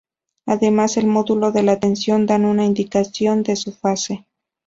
Además del módulo de la tensión dan una indicación de su fase.